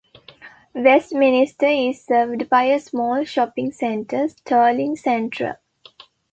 Westminster is served by a small shopping centre, Stirling Central.